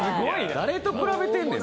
誰と比べてんねん。